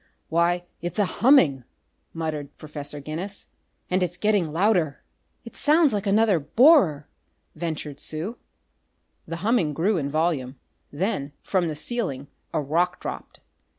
"Why, it's a humming!" muttered Professor Guinness. "And it's getting louder!" "It sounds like another borer!" ventured Sue. The humming grew in volume. Then, from the ceiling, a rock dropped.